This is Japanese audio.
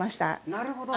なるほど。